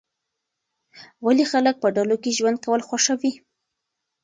ولې خلک په ډلو کې ژوند کول خوښوي؟